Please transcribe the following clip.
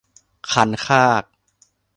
คันคาก